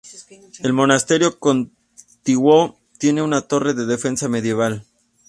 El monasterio contiguo tiene una torre de defensa medieval.